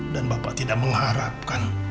dan bapak tidak mengharapkan